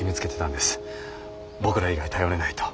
僕ら以外頼れないと。